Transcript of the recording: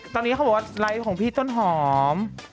ตอนนี้เขาบอกว่ารายละเอียดของพี่ต้นหอม